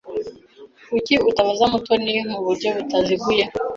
Kuki utabaza Mutoni mu buryo butaziguye?